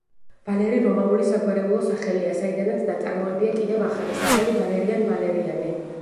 ვალერი რომაული საგვარეულო სახელია, საიდანაც ნაწარმოებია კიდევ ახალი სახელი ვალერიან, ვალერიანე.